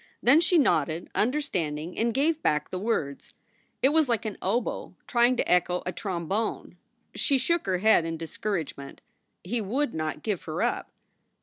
Then she nodded, understanding, and gave back the words. It was like an oboe trying to echo a trom bone. She shook her head in discouragement. He would not give her up.